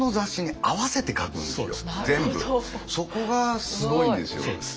そこがすごいんですよ。